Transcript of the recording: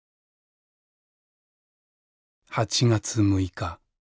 「８月６日。